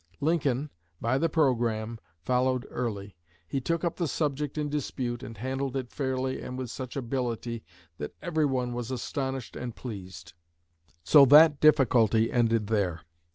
Lincoln, by the programme, followed Early. He took up the subject in dispute and handled it fairly and with such ability that everyone was astonished and pleased. So that difficulty ended there.